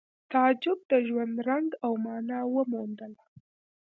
تعجب د ژوند رنګ او مانا وموندله